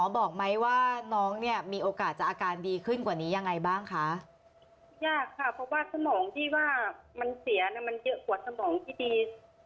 บอกไหมว่าน้องเนี่ยมีโอกาสจะอาการดีขึ้นกว่านี้ยังไงบ้างคะยากค่ะเพราะว่าสมองที่ว่ามันเสียน่ะมันเยอะกว่าสมองที่ดี